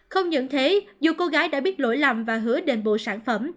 không những thế dù cô gái đã biết lỗi lầm và hứa đền bộ sản phẩm